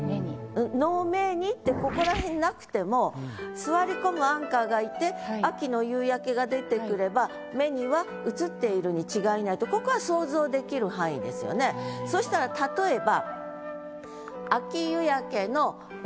「の目に」ってここらへんなくても座り込むアンカーがいて秋の夕焼けが出てくれば目には映っているに違いないとここはそしたら例えば。